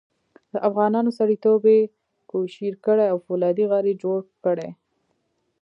د افغانانو سړیتوب یې کوشیر کړی او فولادي غر یې جوړ کړی.